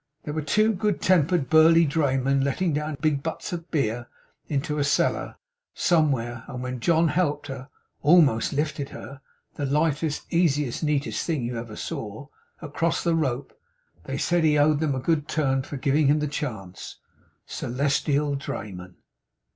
There were two good tempered burly draymen letting down big butts of beer into a cellar, somewhere; and when John helped her almost lifted her the lightest, easiest, neatest thing you ever saw across the rope, they said he owed them a good turn for giving him the chance. Celestial draymen!